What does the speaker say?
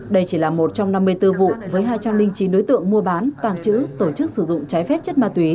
đây chỉ là một trong năm mươi bốn vụ với hai trăm linh chín đối tượng mua bán tàng trữ tổ chức sử dụng trái phép chất ma túy